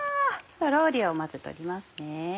ローリエをまず取りますね。